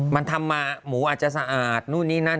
มันทำมาหมูอาจจะสะอาดนู่นนี่นั่น